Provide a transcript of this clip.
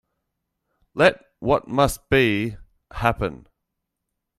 Let what must be, happen.